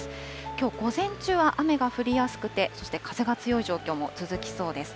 きょう午前中は雨が降りやすくて、そして風が強い状況も続きそうです。